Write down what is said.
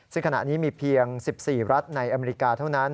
ซึ่งขณะนี้มีเพียง๑๔รัฐในอเมริกาเท่านั้น